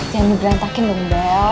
jangan diberantakin dong bel